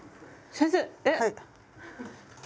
先生。